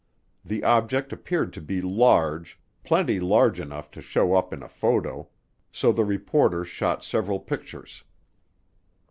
The object appeared to be large, plenty large enough to show up in a photo, so the reporter shot several pictures.